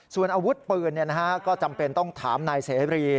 ส่วนอาวุธปืนก็จำเป็นต้องถามนายเสรี